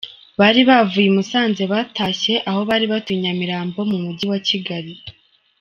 Bari bavuye i Musanze batashye aho bari batuye i Nyamirambo mu Mujyi wa Kigali.